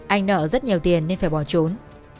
anh nợ rất nhiều tiền nên phải bỏ trốn